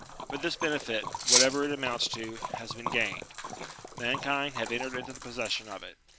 But this benefit, whatever it amounts to, has been gained. Mankind have entered into the possession of it.